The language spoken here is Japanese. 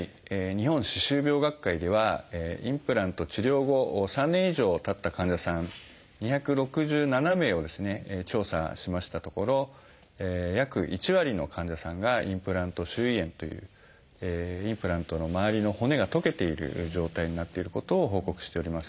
日本歯周病学会ではインプラント治療後３年以上たった患者さん２６７名をですね調査しましたところ約１割の患者さんがインプラント周囲炎というインプラントの周りの骨がとけている状態になっていることを報告しております。